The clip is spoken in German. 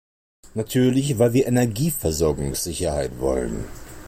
Natürlich, weil wir Energieversorgungssicherheit wollen.